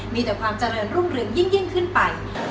มีแต่ความเจริญรุ่งเรืองยิ่งขึ้นไป